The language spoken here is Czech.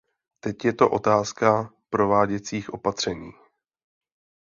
Teď je to otázka prováděcích opatření.